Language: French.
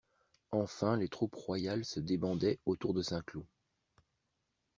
Enfin les troupes royales se débandaient autour de Saint-Cloud.